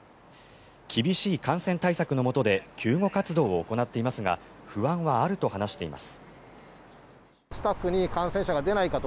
厳しい感染対策のもとで救護活動を行っていますが不安はあると話しています。